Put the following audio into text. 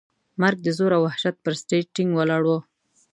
مرګ د زور او وحشت پر سټېج ټینګ ولاړ و.